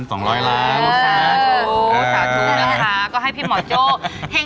สาธุนะคะก็ให้พี่หมอโจ้